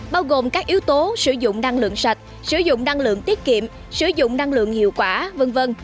bao gồm các yếu tố sử dụng năng lượng sạch sử dụng năng lượng tiết kiệm sử dụng năng lượng hiệu quả v v